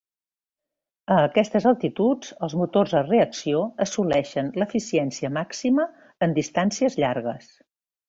A aquestes altituds, els motors a reacció assoleixen l'eficiència màxima en distàncies llargues.